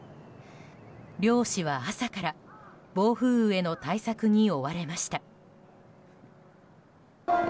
漁師は朝から暴風雨への対策に追われました。